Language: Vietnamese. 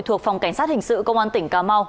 thuộc phòng cảnh sát hình sự công an tỉnh cà mau